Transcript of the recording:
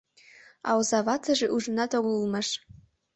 А оза ватыже ужынат огыл улмаш.